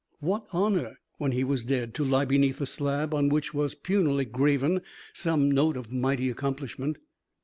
What honour, when he was dead, to lie beneath a slab on which was punily graven some note of mighty accomplishment?